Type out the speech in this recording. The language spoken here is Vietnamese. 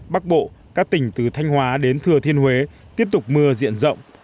bắc bộ các tỉnh từ thanh hóa đến thừa thiên huế tiếp tục mưa diện rộng